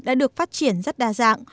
đã được phát triển rất đa dạng